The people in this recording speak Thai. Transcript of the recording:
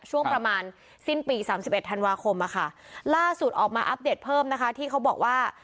ช่วงประมาณสิ้นปี๓๑ธันวาคมค่ะล่าสุดออกมาอัพเดทเพิ่มนะคะที่เขาบอกว่า